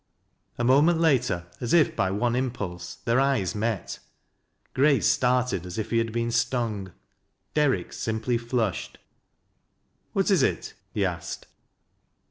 A mament later, as if by one impulse, their eyes met. G race started as if he had been stung. Derrick simpl) flushed. "What is it?" he asked.